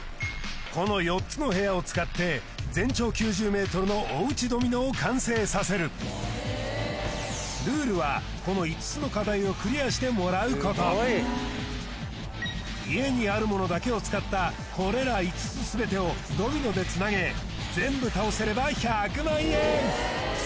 この４つの部屋を使って全長９０ｍのおうちドミノを完成させるルールはこの５つの課題をクリアしてもらうこと家にあるものだけを使ったこれら５つ全てをドミノでつなげ全部倒せれば１００万円！